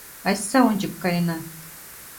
Айста ончык каена.